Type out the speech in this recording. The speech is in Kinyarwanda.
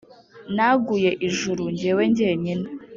naguye ijuru, jyewe jyenyine,